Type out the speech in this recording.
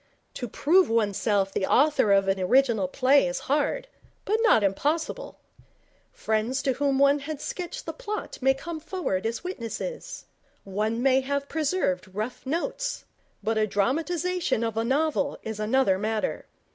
To prove oneself the author of an original play is hard, but not impossible. Friends to whom one had sketched the plot may come forward as witnesses. One may have preserved rough notes. But a dramatization of a novel is another matter.